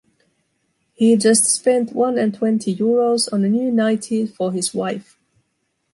He just spent one and twenty euros on a new nightie for his wife.